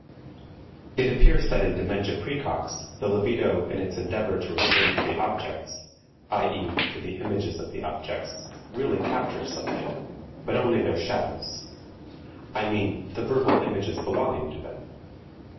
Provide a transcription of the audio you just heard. It appears that in dementia praecox the libido in its endeavor to return to the objects, i.e., to the images of the objects, really captures something, but only their shadows I mean, the verbal images belonging to them.